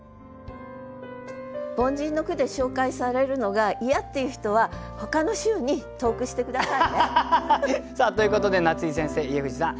凡人の句で紹介されるのが嫌っていう人はほかの週に投句して下さいね。ということで夏井先生家藤さん